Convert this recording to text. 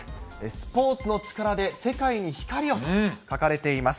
スポーツの力で世界に光をと書かれています。